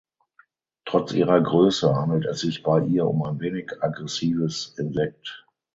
Trotz ihrer Größe handelt es sich bei ihr um ein wenig aggressives Insekt.